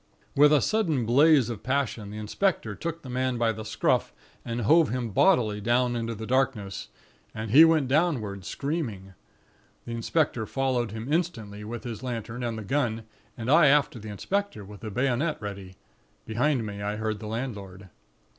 "With a sudden blaze of passion, the inspector took the man by the scruff and hove him bodily down into the darkness, and he went downward, screaming. The inspector followed him instantly, with his lantern and the gun; and I after the inspector, with the bayonet ready. Behind me, I heard the landlord.